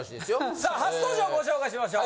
さあ初登場ご紹介しましょう。